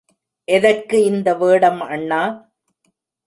எதற்கு இந்த வேடம் அண்ணா?